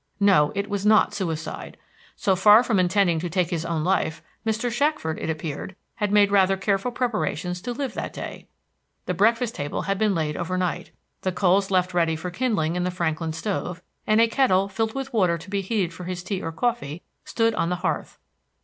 No, it was not suicide. So far from intending to take his own life, Mr. Shackford, it appeared, had made rather careful preparations to live that day. The breakfast table had been laid over night, the coals left ready for kindling in the Franklin stove, and a kettle, filled with water to be heated for his tea or coffee, stood on the hearth.